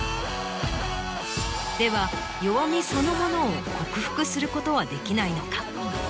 では弱みそのものを克服することはできないのか？